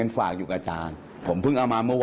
เห็นบอกว่ามีการยืมเงิน